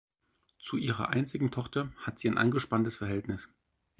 Zu ihrer einzigen Tochter hat sie ein angespanntes Verhältnis.